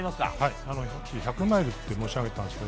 さっき１００マイルって申し上げたんですけど